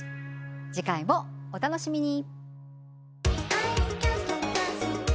次回もお楽しみに。